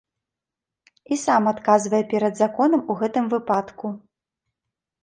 І сам адказвае перад законам у гэтым выпадку.